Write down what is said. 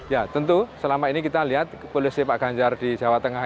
ya tentu selama ini kita lihat polisi pak ganjar di jawa tengah